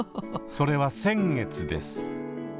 それは先月です。